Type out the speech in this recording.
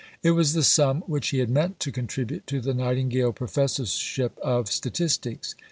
It was the sum which he had meant to contribute to the "Nightingale Professorship of Statistics."